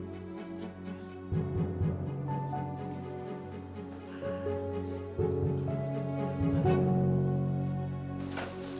kalau begitu kita minta saja pemenang kedua untuk menyanyikan lagu itu